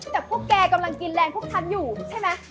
แต่พวกแกกำลังกินแรงพวกฉันอยู่ใช่ไหม